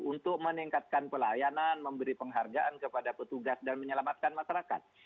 untuk meningkatkan pelayanan memberi penghargaan kepada petugas dan menyelamatkan masyarakat